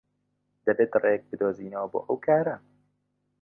دەبێت ڕێیەک بدۆزینەوە بۆ ئەو کارە.